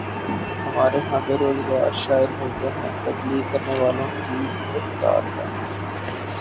ہمارے ہاں بے روزگار شاعر ملتے ہیں، تبلیغ کرنے والوں کی بہتات ہے۔